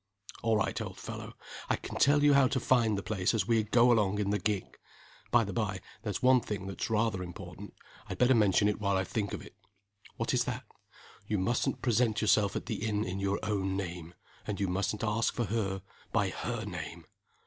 "All right, old fellow. I can tell you how to find the place as we go along in the gig. By the by, there's one thing that's rather important. I'd better mention it while I think of it." "What is that?" "You mustn't present yourself at the inn in your own name; and you mustn't ask for her by her name."